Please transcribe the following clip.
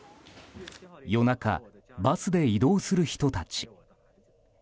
夜中、バスで移動する人たち。